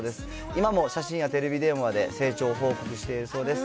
今も写真やテレビ電話で成長を報告しているそうです。